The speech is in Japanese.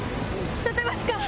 立てますか？